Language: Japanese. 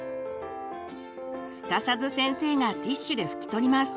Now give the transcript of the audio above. すかさず先生がティシュで拭き取ります。